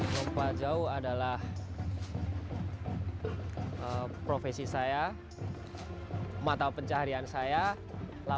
jangan lupa like share dan subscribe ya